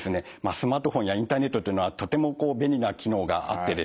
スマートフォンやインターネットっていうのはとても便利な機能があってですね